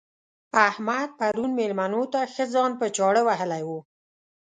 احمد پرون مېلمنو ته ښه ځان په چاړه وهلی وو.